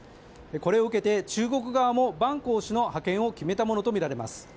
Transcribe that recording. これを受けて、中国側も万鋼氏の派遣を決めたものとみられます。